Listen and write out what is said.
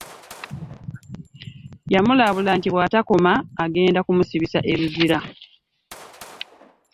Yamulabul nti bwatakoma agenda kumusibisa eruzira .